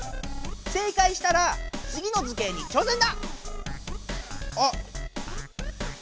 正解したらつぎの図形にちょうせんだ！